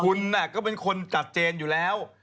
คุณก็เป็นคนจัดเจนอยู่แล้ว